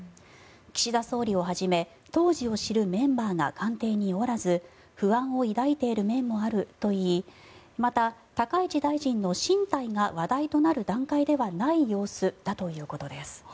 岸田総理をはじめ当時を知るメンバーが官邸におらず不安を抱いている面もあるといいまた、高市大臣の進退が話題となる段階ではない様子だということです。